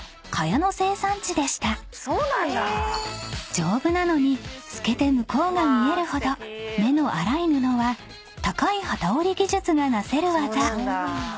［丈夫なのに透けて向こうが見えるほど目の粗い布は高い機織り技術がなせる業］